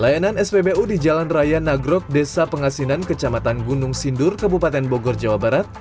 layanan spbu di jalan raya nagrok desa pengasinan kecamatan gunung sindur kabupaten bogor jawa barat